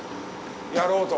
やろうと。